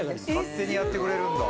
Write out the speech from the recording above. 勝手にやってくれるんだ。